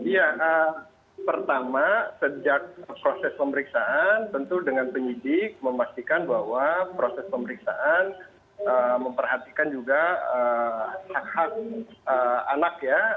ya pertama sejak proses pemeriksaan tentu dengan penyidik memastikan bahwa proses pemeriksaan memperhatikan juga hak hak anak ya